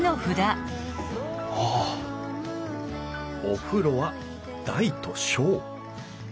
お風呂は大と小